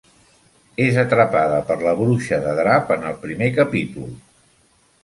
És atrapada per la Bruixa de Drap en el primer capítol.